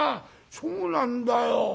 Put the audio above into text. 「そうなんだよ。